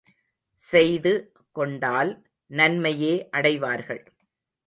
செய்து, கொண்டால் நன்மையே அடைவார்கள்.